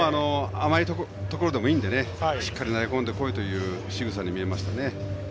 甘いところでもいいのでしっかり投げ込んでこいというしぐさに見えましたね。